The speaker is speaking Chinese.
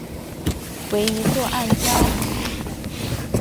为一座暗礁。